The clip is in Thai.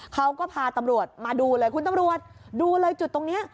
เขาก็พาตำรวจมาดูเลยคุณตำรวจดูเลยจุดตรงนี้